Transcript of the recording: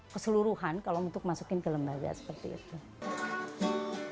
keseluruhan kalau untuk masukin ke lembaga seperti itu